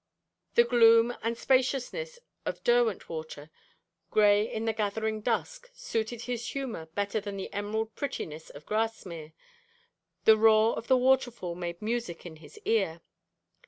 The gloom and spaciousness of Derwentwater, grey in the gathering dusk, suited his humour better than the emerald prettiness of Grasmere the roar of the waterfall made music in his ear.